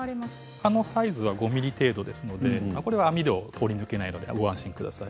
蚊のサイズは５ｍｍほどなので、網戸を通り抜けないのでご安心ください。